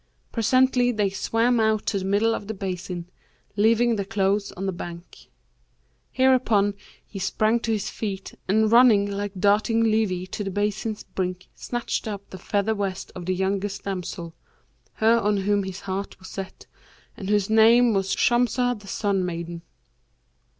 Presently they swam out to the middle of the basin leaving their clothes on the bank. Hereupon he sprang to his feet, and running like the darting levee to the basin's brink, snatched up the feather vest of the youngest damsel, her on whom his heart was set and whose name was Shamsah the Sun maiden.